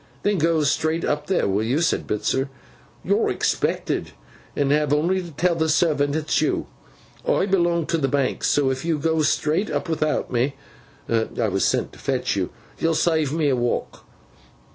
'Then go straight up there, will you?' said Bitzer. 'You're expected, and have only to tell the servant it's you. I belong to the Bank; so, if you go straight up without me (I was sent to fetch you), you'll save me a walk.